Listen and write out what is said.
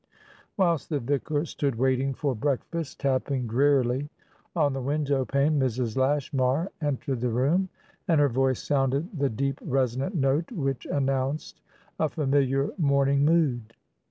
Whilst the vicar stood waiting for breakfast, tapping drearily on the window pane, Mrs. Lashmar entered the room, and her voice sounded the deep, resonant note which announced a familiar morning mood.